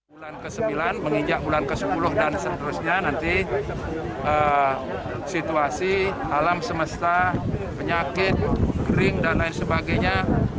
bulan ke sembilan menginjak bulan ke sepuluh dan seterusnya nanti situasi alam semesta penyakit kering dan lain sebagainya